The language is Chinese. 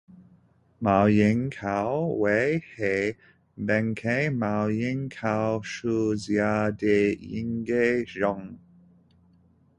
毛颖草为禾本科毛颖草属下的一个种。